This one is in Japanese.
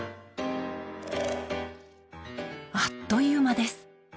あっという間です！